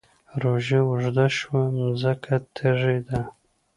روژه اوږده شوه مځکه تږې ده